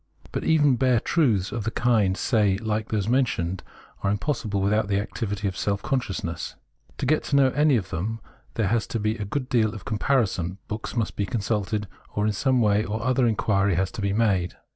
But even bare truths of the kind, say, like those mentioned, are impossible without the activity of self consciousness. To get to know any one of them, there has to be a good deal of comparison, books must be consulted, or in some way or other inquiry has to be made.